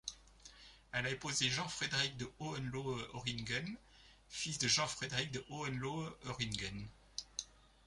Elle a épousé Jean-Frédéric de Hohenlohe-Öhringen, fils de Jean-Frédéric de Hohenlohe-Öhringen.